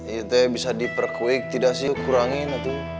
itu bisa diperkuik tidak sih kurangin atuh